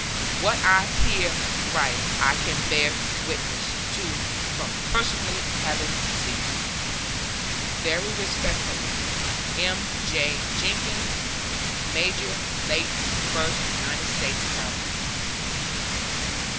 What I here write I can bear witness to from personally having seen. Very respectfully, M. J. JENKINS, Major Late First United States Cavalry.